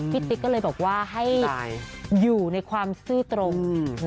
ติ๊กก็เลยบอกว่าให้อยู่ในความซื่อตรง